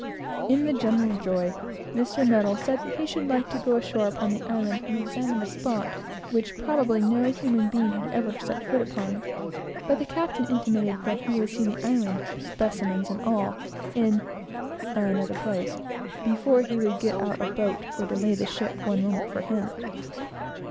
In the general joy, Mr. N. said he should like to go ashore upon the island and examine a spot which probably no human being had ever set foot upon; but the captain intimated that he would see the island specimens and all, in another place, before he would get out a boat or delay the ship one moment for him.